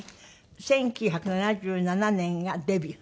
１９７７年がデビュー。